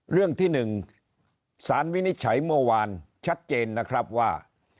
เรื่องที่๑สารวินิจฉัยเมื่อวานชัดเจนนะครับว่า